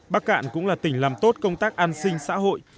bắc cạn cũng là tỉnh làm tốt công tác an sinh xã hội